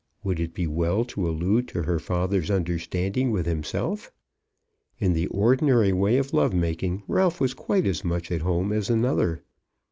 Would it be well to allude to her father's understanding with himself? In the ordinary way of love making Ralph was quite as much at home as another.